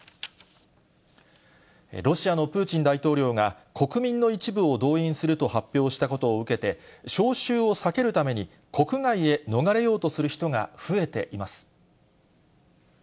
ロシアのプーチン大統領が国民の一部を動員すると発表したことを受けて、招集を避けるために国外へ逃れようとする人が増えています。